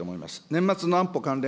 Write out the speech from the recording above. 年末の安保関連